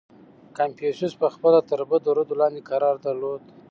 • کنفوسیوس پهخپله تر بدو ردو لاندې قرار درلود.